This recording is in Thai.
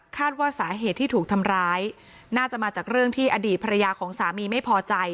ว่าสาเหตุที่ถูกทำร้ายน่าจะมาจากเรื่องที่อดีตภรรยาของสามีไม่พอใจ